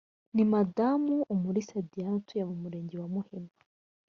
ni madamu umulisa diane utuye mu murenge wa muhima